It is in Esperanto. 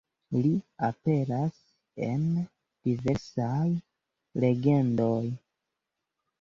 Li aperas en diversaj legendoj.